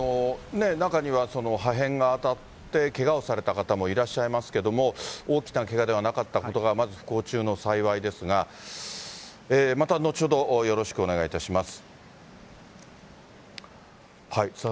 中には破片が当たってけがをされた方もいらっしゃいますけれども、大きなけがではなかったことがまず、不幸中の幸いですが、また後ほどよろしくお願いいたします。